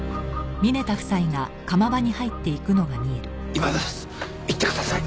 今です行ってください。